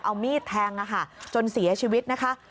เอามีดแทงจนเสียชีวิตนะคะ